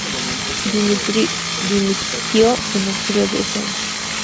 Dimitió en octubre de ese año.